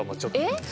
えっ！？